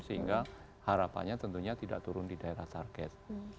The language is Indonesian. sehingga harapannya tentunya tidak turun di daerah target